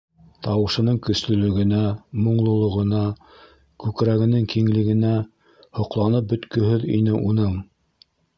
Тауышының көслөлөгөнә, моңлолоғона, күкрәгенең киңлегенә һоҡланып бөткөһөҙ ине уның...